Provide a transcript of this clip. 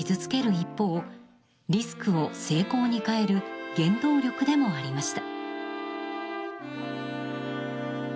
一方リスクを成功に変える原動力でもありました。